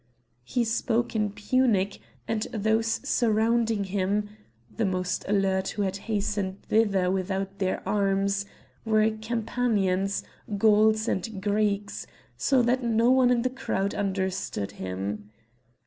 He spoke in Punic, and those surrounding him (the most alert, who had hastened thither without their arms), were Campanians, Gauls, and Greeks, so that no one in the crowd understood him.